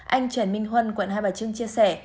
anh trần minh huân quận hai bà trưng chia sẻ